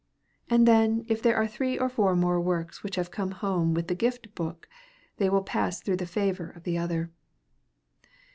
And then if there are three or four more works which have come home with the gift book they will pass through the favor of the other.